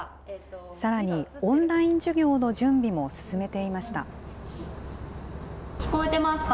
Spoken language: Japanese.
さらに、オンライン授業の準備も進めていました。